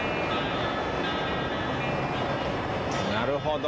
なるほど。